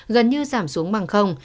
gần như giảm xuống bằng